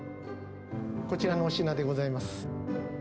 こちらのお品でございます。